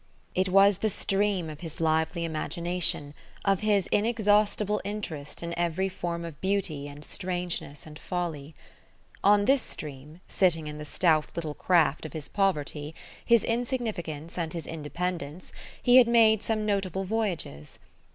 It was the stream of his lively imagination, of his inexhaustible interest in every form of beauty and strangeness and folly. On this stream, sitting in the stout little craft of his poverty, his insignificance and his independence, he had made some notable voyages....